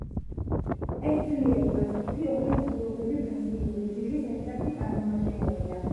ეს ძლიერი მასტიფი ორი ადგილობრივი ბრაზილიური ჯიშის ერთ-ერთი წარმომადგენელია.